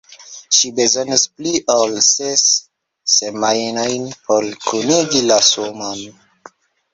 Ŝi bezonis pli ol ses semajnojn por kunigi la sumon.